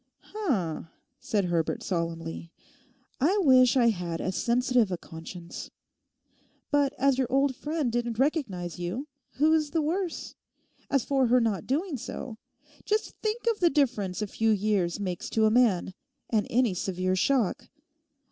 'H'm,' said Herbert solemnly: 'I wish I had as sensitive a conscience. But as your old friend didn't recognise you, who's the worse? As for her not doing so, just think of the difference a few years makes to a man, and any severe shock.